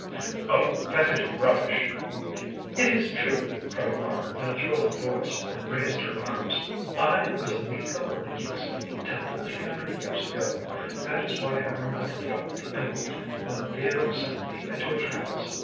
"Oh, that is rubbish!" "It is true!" cried Mara in a thrilling voice, and raised her arms. "I was a Miko of the Kitzuki Temple three hundred years ago. That is why I remembered about the emerald, when Theodore sent me into a trance.